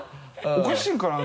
おかしいのかな？